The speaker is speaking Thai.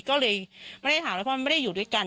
ก็เลยไม่ได้อยู่ด้วยกัน